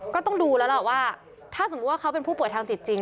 ก็ต้องดูแล้วล่ะว่าถ้าสมมุติว่าเขาเป็นผู้ป่วยทางจิตจริง